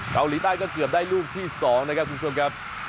เกาหลีใต้ก็เกือบได้ลูกที่๒นะครับคุณผู้ชมครับ